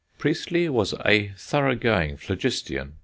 Priestley was a thorough going phlogistean.